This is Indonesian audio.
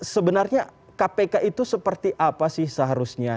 sebenarnya kpk itu seperti apa sih seharusnya